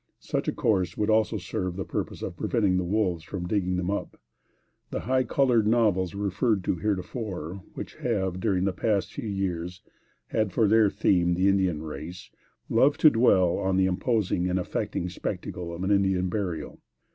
Such a course would also serve the purpose of preventing the wolves from digging them up. The high colored novels, referred to heretofore, which have, during the past few years, had for their theme the Indian race, love to dwell on the imposing and affecting spectacle of an Indian burial.